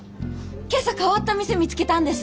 今朝変わった店見つけたんです。